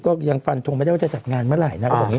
ก็ยังฟันทงไม่ได้ว่าจะจัดงานเมื่อไหร่นะ